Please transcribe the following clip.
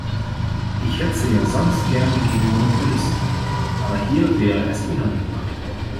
Ich hetze ja sonst gerne gegen Monopolisten, aber hier wäre es unangebracht.